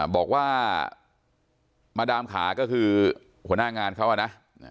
บอกว่ามาดามขาก็คือหัวหน้างานเขานะ